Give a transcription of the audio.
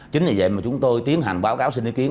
chính vì vậy mà chúng tôi tiến hành báo cáo xin ý kiến